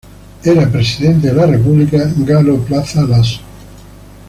Era presidente de la República Galo Plaza Lasso.